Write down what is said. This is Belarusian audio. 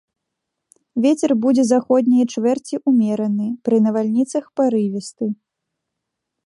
Вецер будзе заходняй чвэрці ўмераны, пры навальніцах парывісты.